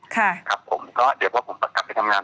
ครับผมก็เดี๋ยวพอผมกลับไปทำงาน